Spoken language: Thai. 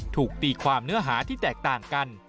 ถูกตีความเนื้อหาที่แตกต่างกัน